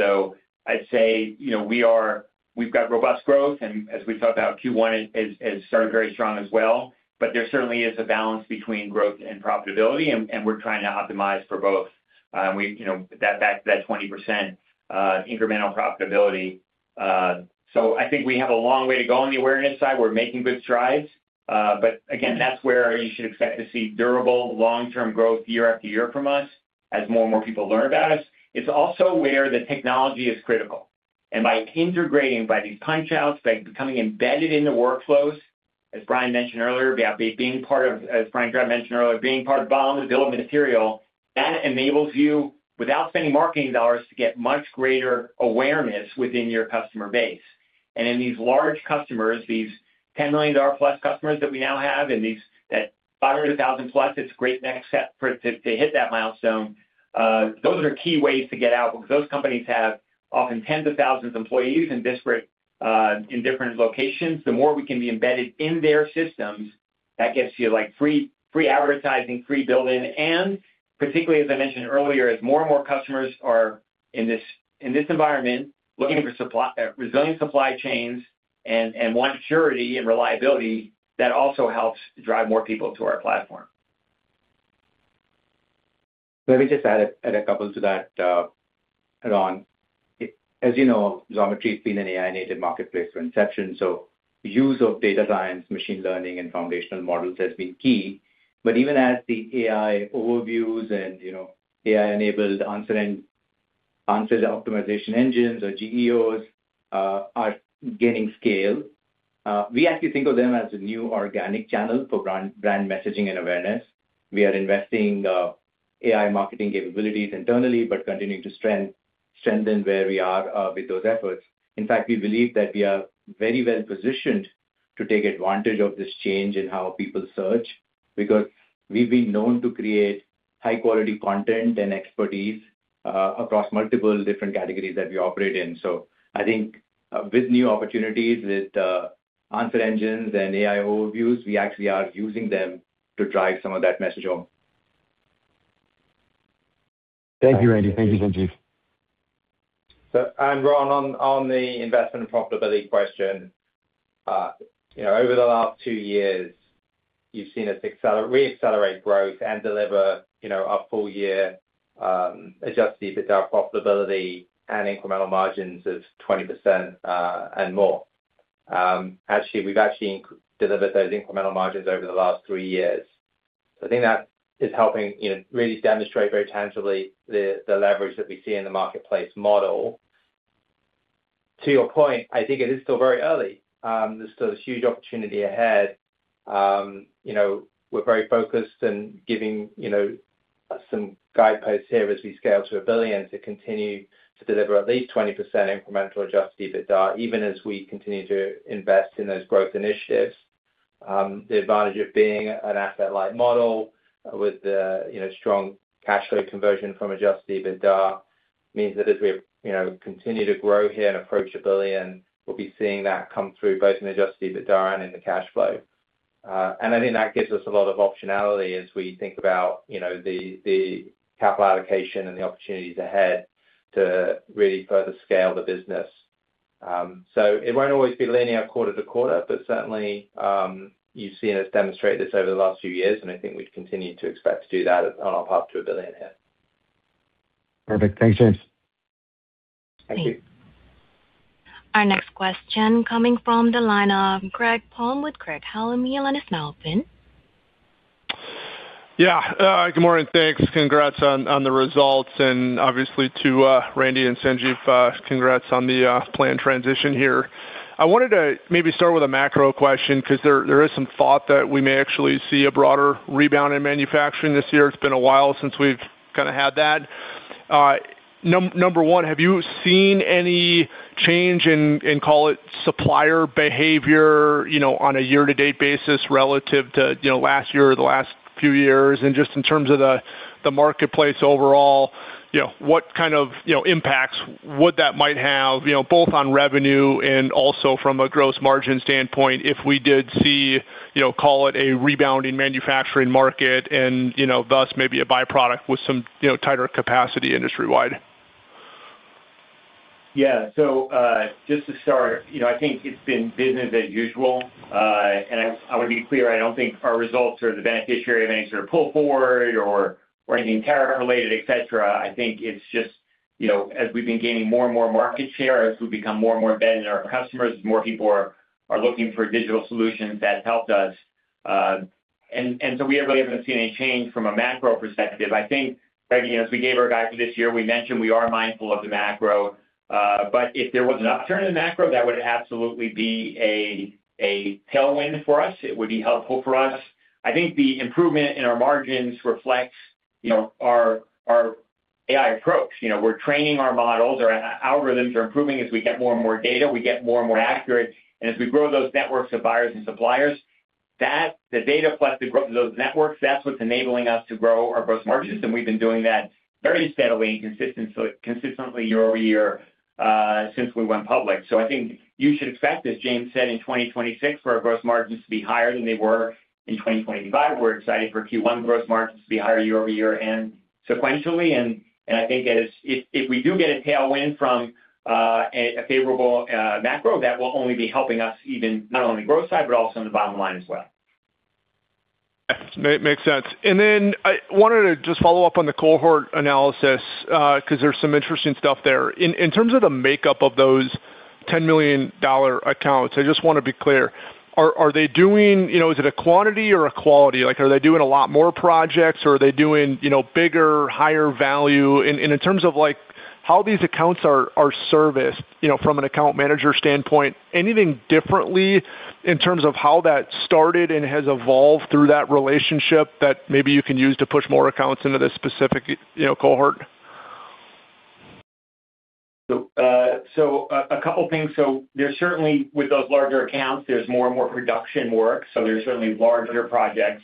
[SPEAKER 3] I'd say, you know, we've got robust growth, and as we thought about Q1, it has started very strong as well. There certainly is a balance between growth and profitability, and we're trying to optimize for both. You know, that 20% incremental profitability. I think we have a long way to go on the awareness side. We're making good strides, but again, that's where you should expect to see durable, long-term growth year after year from us, as more and more people learn about us. It's also where the technology is critical. By integrating, by these PunchOut, by becoming embedded in the workflows, as Brian mentioned earlier, being part of the Bill of Materials, that enables you, without spending marketing dollars, to get much greater awareness within your customer base. In these large customers, these $10 million+ customers that we now have, and that $500,000+, it's a great next step for it to hit that milestone. Those are key ways to get out because those companies have often tens of thousands of employees in disparate, in different locations. The more we can be embedded in their systems, that gets you, like, free advertising, free building, and particularly, as I mentioned earlier, as more and more customers are in this, in this environment, looking for resilient supply chains and want surety and reliability, that also helps drive more people to our platform.
[SPEAKER 4] Let me just add a couple to that, Ronald. As you know, Xometry has been an AI-native marketplace from inception, so use of data science, machine learning, and foundational models has been key. Even as the AI overviews and, you know, AI-enabled answer and answer the optimization engines or GEOs, are gaining scale, we actually think of them as a new organic channel for brand messaging and awareness. We are investing AI marketing capabilities internally, but continuing to strengthen where we are with those efforts. In fact, we believe that we are very well positioned to take advantage of this change in how people search, because we've been known to create high-quality content and expertise across multiple different categories that we operate in. I think, with new opportunities, with, answer engines and AI overviews, we actually are using them to drive some of that message home.
[SPEAKER 10] Thank you, Randy. Thank you, Sanjeev.
[SPEAKER 5] Ronald, on the investment and profitability question, you know, over the last two years, you've seen us reaccelerate growth and deliver, you know, a full year adjusted EBITDA profitability and incremental margins of 20%, and more. Actually, we've actually delivered those incremental margins over the last three years. I think that is helping, you know, really demonstrate very tangibly the leverage that we see in the marketplace model. To your point, I think it is still very early. There's still this huge opportunity ahead. You know, we're very focused and giving, you know, some guideposts here as we scale to $1 billion to continue to deliver at least 20% incremental adjusted EBITDA, even as we continue to invest in those growth initiatives. The advantage of being an asset-light model with the, you know, strong cash flow conversion from adjusted EBITDA means that as we, you know, continue to grow here and approach $1 billion, we'll be seeing that come through both in adjusted EBITDA and in the cash flow. I think that gives us a lot of optionality as we think about, you know, the capital allocation and the opportunities ahead to really further scale the business. It won't always be linear quarter-to-quarter, but certainly, you've seen us demonstrate this over the last few years, and I think we've continued to expect to do that on our path to $1 billion here.
[SPEAKER 10] Perfect. Thanks, James.
[SPEAKER 3] Thank you.
[SPEAKER 1] Our next question coming from the line of Greg Palm with Craig-Hallum. Your line is now open.
[SPEAKER 11] Good morning. Thanks. Congrats on the results, and obviously to Randy and Sanjeev, congrats on the planned transition here. I wanted to maybe start with a macro question, 'cause there is some thought that we may actually see a broader rebound in manufacturing this year. It's been a while since we've kind of had that. Number one, have you seen any change in call it supplier behavior, you know, on a year-to-date basis relative to, you know, last year or the last few years? Just in terms of the marketplace overall, you know, what kind of, you know, impacts would that might have, you know, both on revenue and also from a gross margin standpoint, if we did see, you know, call it a rebounding manufacturing market and, you know, thus maybe a byproduct with some, you know, tighter capacity industry-wide?
[SPEAKER 3] Yeah. Just to start, you know, I think it's been business as usual. I want to be clear, I don't think our results are the beneficiary of any sort of pull-forward or anything tariff related, et cetera. I think it's just, you know, as we've been gaining more and more market share, as we become more and more embedded in our customers, more people are looking for digital solutions, that's helped us. We really haven't seen any change from a macro perspective. I think, Greg, you know, as we gave our back this year, we mentioned we are mindful of the macro, but if there was an upturn in the macro, that would absolutely be a tailwind for us. It would be helpful for us. I think the improvement in our margins reflects, you know, our AI approach. You know, we're training our models. Our algorithms are improving as we get more and more data, we get more and more accurate. As we grow those networks of buyers and suppliers, the data plus the growth of those networks, that's what's enabling us to grow our gross margins, and we've been doing that very steadily and consistently year-over-year since we went public. I think you should expect, as James Miln said, in 2026 for our gross margins to be higher than they were in 2025. We're excited for Q1 growth margins to be higher year-over-year and sequentially. I think as, if we do get a tailwind from a favorable macro, that will only be helping us even, not only the growth side, but also on the bottom line as well.
[SPEAKER 11] Yes. Makes sense. Then I wanted to just follow up on the cohort analysis 'cause there's some interesting stuff there. In terms of the makeup of those $10 million accounts, I just want to be clear. You know, is it a quantity or a quality? Like, are they doing a lot more projects, or are they doing, you know, bigger, higher value? In terms of, like, how these accounts are serviced, you know, from an account manager standpoint, anything differently in terms of how that started and has evolved through that relationship that maybe you can use to push more accounts into this specific, you know, cohort?
[SPEAKER 3] A couple things. There's certainly, with those larger accounts, there's more and more production work, there's certainly larger projects.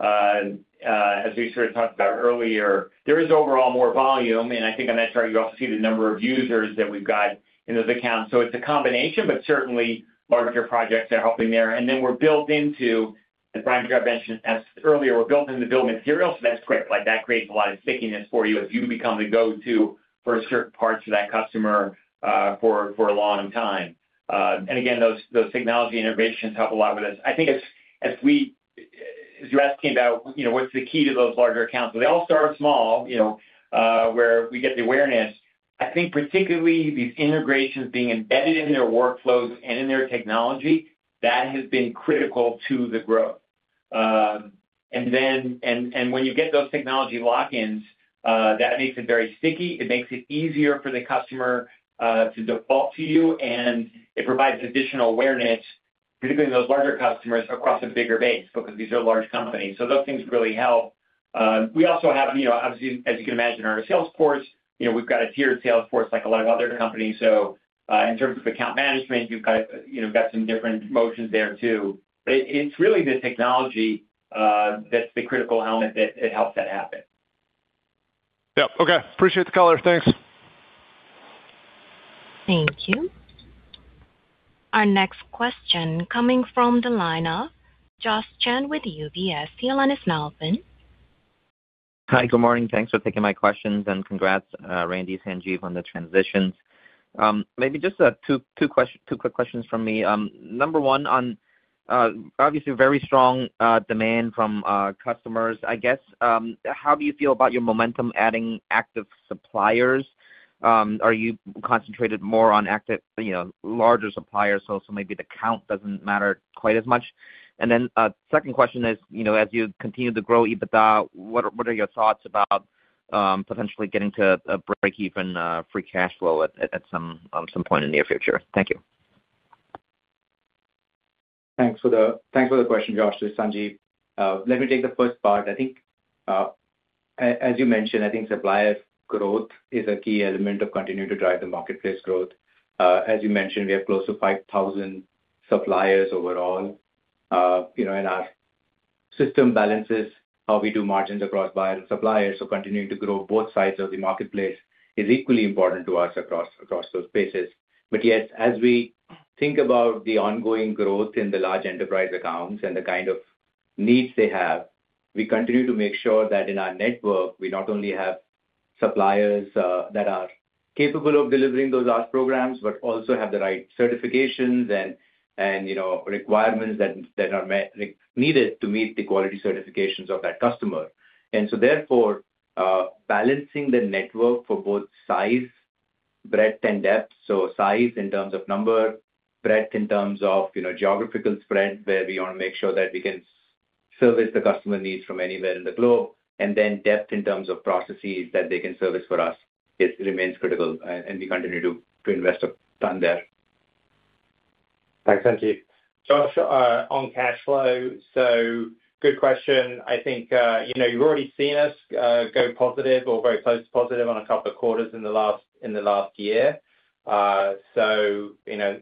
[SPEAKER 3] As we sort of talked about earlier, there is overall more volume, and I think on that chart, you also see the number of users that we've got in those accounts. It's a combination, but certainly larger projects are helping there. Then we're built into, as Brian mentioned earlier, we're built into BOMs, so that's great. Like, that creates a lot of stickiness for you as you become the go-to for certain parts of that customer for a long time. Again, those technology innovations help a lot with this. I think as you're asking about, you know, what's the key to those larger accounts, so they all start small, you know, where we get the awareness. I think particularly these integrations being embedded in their workflows and in their technology, that has been critical to the growth. And then, when you get those technology lock-ins, that makes it very sticky. It makes it easier for the customer, to default to you, and it provides additional awareness, particularly those larger customers across a bigger base, because these are large companies. Those things really help. We also have, you know, obviously, as you can imagine, our sales force, you know, we've got a tiered sales force like a lot of other companies. In terms of account management, you've got, you know, got some different motions there too. it's really the technology that's the critical element that it helps that happen.
[SPEAKER 11] Yep. Okay. Appreciate the color. Thanks.
[SPEAKER 1] Thank you. Our next question coming from the line of Josh Chen with UBS. You line is now open.
[SPEAKER 12] Hi, good morning. Thanks for taking my questions, and congrats, Randy, Sanjeev, on the transitions. Maybe just two quick questions from me. Number one, on obviously very strong demand from customers. I guess, how do you feel about your momentum adding active suppliers? Are you concentrated more on active, you know, larger suppliers, so maybe the count doesn't matter quite as much? Second question is, you know, as you continue to grow EBITDA, what are your thoughts about potentially getting to a breakeven free cash flow at some point in the near future? Thank you.
[SPEAKER 4] Thanks for the question, Josh. This is Sanjeev. Let me take the first part. I think, as you mentioned, I think supplier growth is a key element of continuing to drive the marketplace growth. As you mentioned, we have close to 5,000 suppliers overall, you know, and our system balances how we do margins across buyers and suppliers. Continuing to grow both sides of the marketplace is equally important to us across those bases. As we think about the ongoing growth in the large enterprise accounts and the kind of needs they have, we continue to make sure that in our network, we not only have suppliers, that are capable of delivering those large programs, but also have the right certifications and, you know, requirements that are needed to meet the quality certifications of that customer. Therefore, balancing the network for both size, breadth, and depth. So size in terms of number, breadth in terms of, you know, geographical spread, where we want to make sure that we can service the customer needs from anywhere in the globe, and then depth in terms of processes that they can service for us, it remains critical, and we continue to invest our time there.
[SPEAKER 12] Thanks. Thank you.
[SPEAKER 5] Josh, on cash flow, good question. I think, you know, you've already seen us go positive or very close to positive on a couple of quarters in the last year. You know,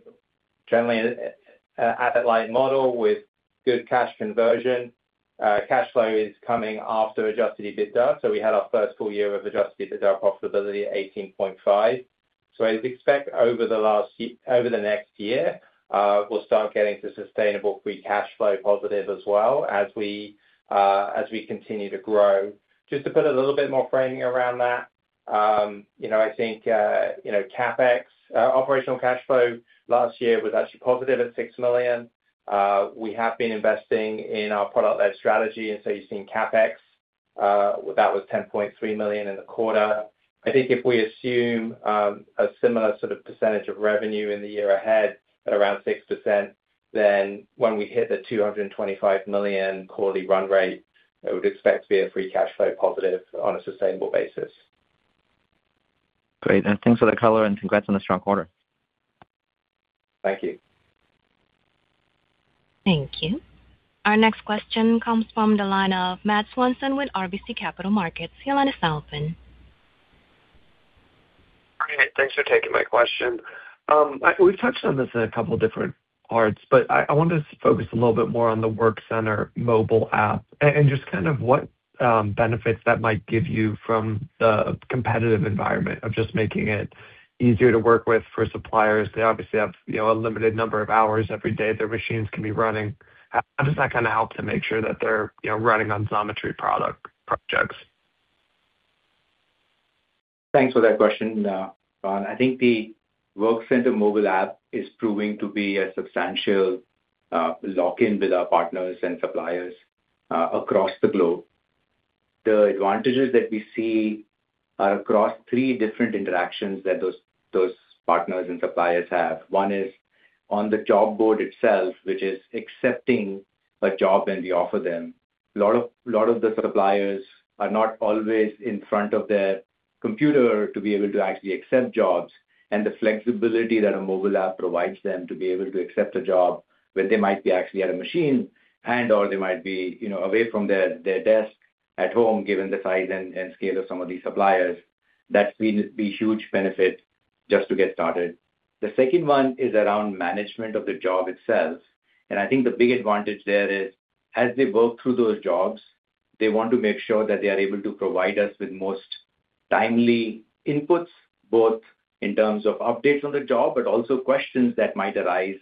[SPEAKER 5] generally, asset-light model with good cash conversion. Cash flow is coming after adjusted EBITDA, we had our first full year of adjusted EBITDA profitability at $18.5 million. I'd expect over the next year, we'll start getting to sustainable free cash flow positive as well as we continue to grow. Just to put a little bit more framing around that, you know, I think, you know, CapEx, operational cash flow last year was actually positive at $6 million. We have been investing in our product-led strategy, and so you've seen CapEx, that was $10.3 million in the quarter. I think if we assume a similar sort of percentage of revenue in the year ahead at around 6%, then when we hit the $225 million quarterly run rate, I would expect to be a free cash flow positive on a sustainable basis.
[SPEAKER 12] Great. Thanks for the color, and congrats on the strong quarter.
[SPEAKER 3] Thank you.
[SPEAKER 1] Thank you. Our next question comes from the line of Matt Swanson with RBC Capital Markets. Your line is open.
[SPEAKER 13] Great, thanks for taking my question. We've touched on this in a couple different parts, but I wanted to focus a little bit more on the Workcenter mobile app and just kind of what benefits that might give you from the competitive environment of just making it easier to work with for suppliers. They obviously have, you know, a limited number of hours every day their machines can be running. How does that kinda help to make sure that they're, you know, running on Xometry product projects?
[SPEAKER 4] Thanks for that question, Matt. I think the Workcenter mobile app is proving to be a substantial lock-in with our partners and suppliers across the globe. The advantages that we see are across three different interactions that those partners and suppliers have. One is on the job board itself, which is accepting a job when we offer them. Lot of the suppliers are not always in front of their computer to be able to actually accept jobs, and the flexibility that a mobile app provides them to be able to accept a job when they might be actually at a machine and/or they might be, you know, away from their desk at home, given the size and scale of some of these suppliers, that will be huge benefit just to get started. The second one is around management of the job itself, and I think the big advantage there is, as they work through those jobs, they want to make sure that they are able to provide us with most timely inputs, both in terms of updates on the job, but also questions that might arise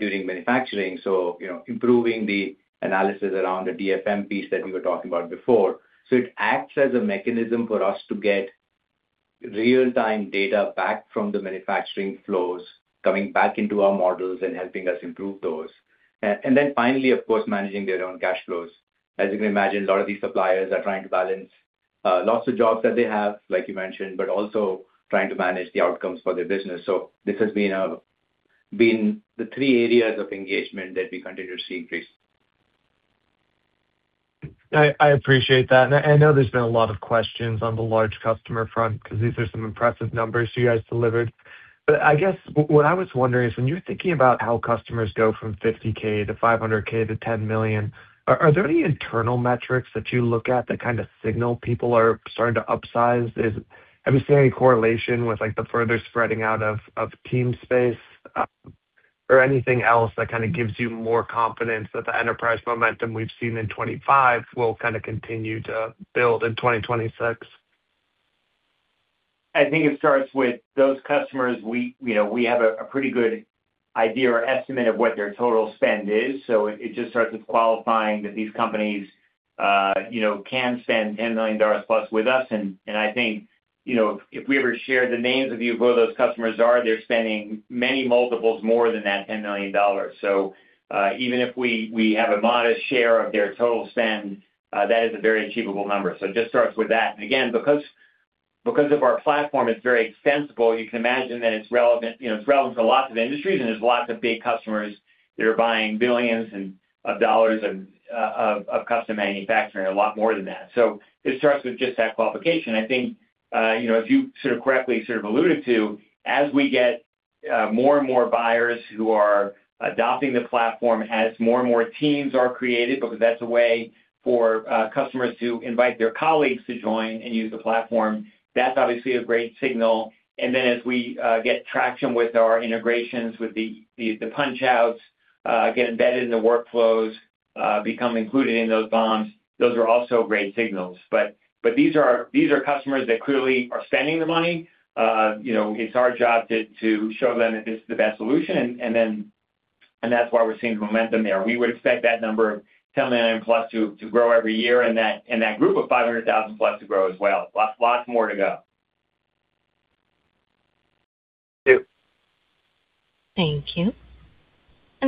[SPEAKER 4] during manufacturing. You know, improving the analysis around the DFM piece that we were talking about before. It acts as a mechanism for us to get real-time data back from the manufacturing flows, coming back into our models and helping us improve those. Finally, of course, managing their own cash flows. As you can imagine, a lot of these suppliers are trying to balance lots of jobs that they have, like you mentioned, but also trying to manage the outcomes for their business. This has been the three areas of engagement that we continue to see increase.
[SPEAKER 13] I appreciate that, and I know there's been a lot of questions on the large customer front, 'cause these are some impressive numbers you guys delivered. I guess what I was wondering is, when you're thinking about how customers go from $50K to $500K to $10 million, are there any internal metrics that you look at that kind of signal people are starting to upsize? Have you seen any correlation with, like, the further spreading out of Teamspace, or anything else that kind of gives you more confidence that the enterprise momentum we've seen in 2025 will kind of continue to build in 2026?
[SPEAKER 3] I think it starts with those customers, we, you know, we have a pretty good idea or estimate of what their total spend is. It just starts with qualifying that these companies, you know, can spend $10 million plus with us. I think, you know, if we ever share the names of who those customers are, they're spending many multiples more than that $10 million. Even if we have a modest share of their total spend, that is a very achievable number. It just starts with that. Again, because of our platform, it's very extensible, you can imagine that it's relevant, you know, it's relevant to lots of industries and there's lots of big customers that are buying billions of dollars of custom manufacturing, a lot more than that. It starts with just that qualification. I think, you know, as you sort of correctly sort of alluded to, as we get more and more buyers who are adopting the platform, as more and more teams are created, because that's a way for customers to invite their colleagues to join and use the platform, that's obviously a great signal. As we get traction with our integrations, with the PunchOut, get embedded in the workflows, become included in those BOMs, those are also great signals. These are customers that clearly are spending the money. You know, it's our job to show them that this is the best solution, That's why we're seeing the momentum there. We would expect that number of $10 million+ to grow every year, and that group of $500,000+ to grow as well. Lots more to go.
[SPEAKER 13] Thank you.
[SPEAKER 1] Thank you.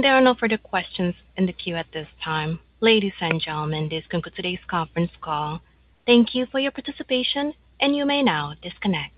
[SPEAKER 1] There are no further questions in the queue at this time. Ladies and gentlemen, this concludes today's conference call. Thank you for your participation, and you may now disconnect.